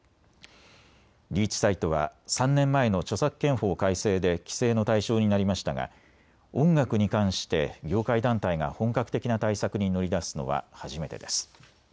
リーチサイトは３年前の著作権法改正で規制の対象になりましたが、音楽に関して業界団体が本格的な対策に乗り出すのは初めてです。